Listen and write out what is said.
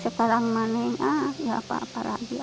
sekarang mandi ya apa aku rajin